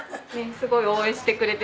すごい応援してくれて。